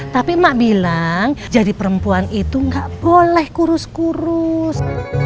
tapi emak bilang jadi perempuan itu gak boleh kurus kurus